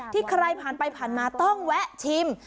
ใครผ่านไปผ่านมาต้องแวะชิม